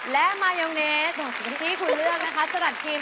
และมายองเนสที่คุณเลือกนะคะสลัดครีม